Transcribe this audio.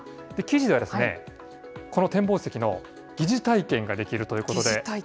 記事では、この展望席の疑似体験ができるということで。